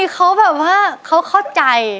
เขาแบบว่าเขาเข้าใจ